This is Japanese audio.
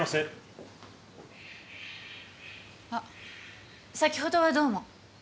あっ先ほどはどうも。